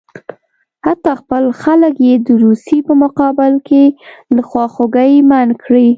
حتی خپل خلک یې د روسیې په مقابل کې له خواخوږۍ منع کړي.